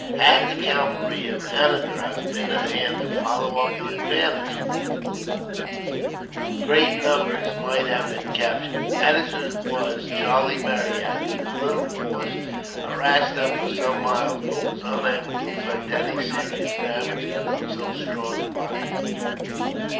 Had the cavalry of Anandraz been at hand to follow up the advantage, great numbers might have been captured. As it was, Charlie Marryat, with his little force, harassed them for some miles; but was unable to effect any serious damage on so strong a body.